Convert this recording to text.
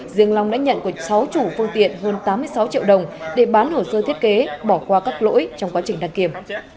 riêng long đã nhận của sáu chủ phương tiện hơn tám mươi sáu triệu đồng để bán hồ sơ thiết kế bỏ qua các lỗi trong quá trình đăng kiểm